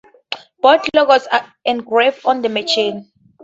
Both logos are engraved on the machine.